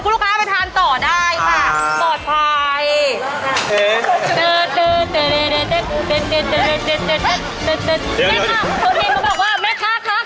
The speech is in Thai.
คุณลูกค้าอาจมีชีวิตออกที่แขก